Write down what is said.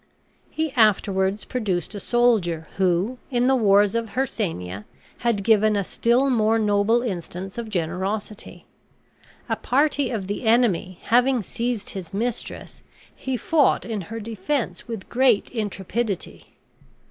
He afterwards produced a soldier who, in the wars of Hircania, had given a still more noble instance of generosity. A party of the enemy having seized his mistress, he fought in her defense with great intrepidity.